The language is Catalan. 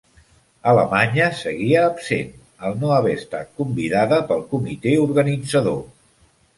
Alemanya seguia absent, al no haver estat convidada pel Comitè Organitzador.